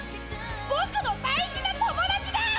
ボクの大事な友達だ！